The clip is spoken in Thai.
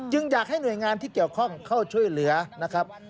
อยากให้หน่วยงานที่เกี่ยวข้องเข้าช่วยเหลือนะครับ